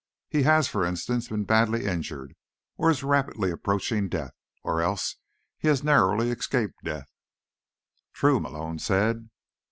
He has, for instance, been badly injured, or is rapidly approaching death, or else he has narrowly escaped death." "True," Malone said.